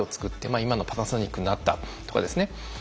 今のパナソニックになったとかですね。